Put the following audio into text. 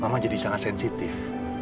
mama jadi sangat sensitif